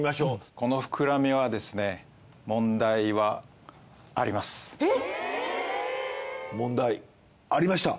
このふくらみはですねえっ！？問題ありました。